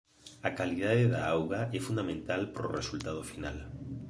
A calidade da auga é fundamental para o resultado final.